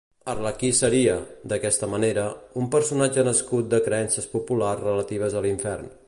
Arlequí seria, d'aquesta manera, un personatge nascut de creences populars relatives a l'infern.